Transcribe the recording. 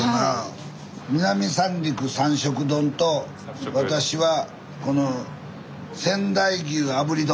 南三陸三色丼と私はこの仙台牛炙り丼。